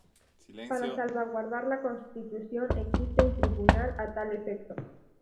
Para salvaguardar la Constitución existe un Tribunal a tal efecto.